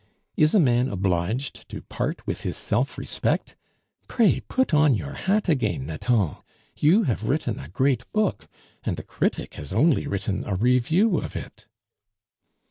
"Is a man obliged to part with his self respect? Pray put on your hat again, Nathan; you have written a great book, and the critic has only written a review of it."